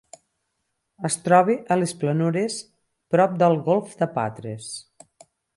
Es troba a les planures prop del golf de Patres.